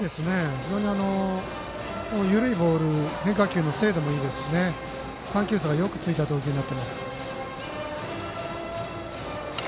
非常に緩いボール変化球の精度もいいですし緩急差がよくついた投球です。